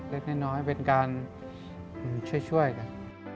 เล็กน้อยเป็นการช่วยกัน